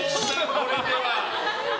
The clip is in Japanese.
これでは。